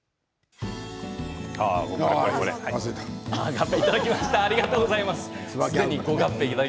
がっぺ、いただきました。